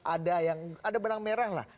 ada yang ada benang merah lah